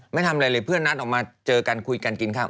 ไม่ทำอะไรเลยเพื่อนนัดออกมาเจอกันคุยกันกินข้าว